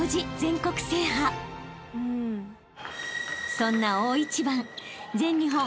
［そんな大一番］